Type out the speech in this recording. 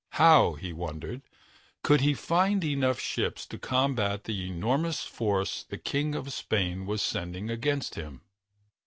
How, he wondered, could he find enough ships to combat the enormous force the King of Spain was sending against him?